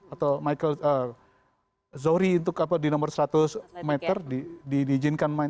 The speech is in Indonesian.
atau zohri di nomor seratus meter diizinkan main